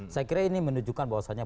saya kira ini menunjukkan bahwasannya